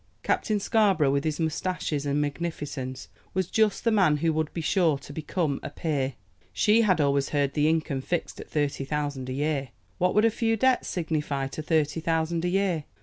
Captain Scarborough, with his mustaches and magnificence, was just the man who would be sure to become a peer. She had always heard the income fixed at thirty thousand a year. What would a few debts signify to thirty thousand a year?